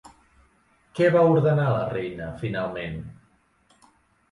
Què va ordenar la reina finalment?